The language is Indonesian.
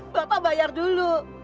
bapak bayar dulu